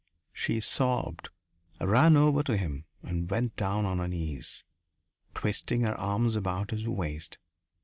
She sobbed, ran over to him, and went down on her knees, twisting her arms about his waist.